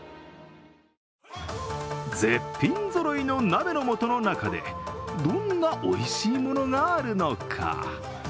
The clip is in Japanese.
絶品ぞろいの鍋の素の中でどんなおいしいものがあるのか。